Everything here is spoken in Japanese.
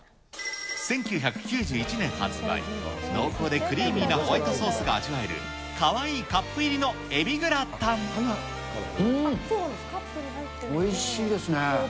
１９９１年発売、濃厚でクリーミーなホワイトソースが味わえるかわいいカップ入りんー、おいしいですね。